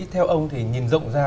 theo ông thì nhìn rộng ra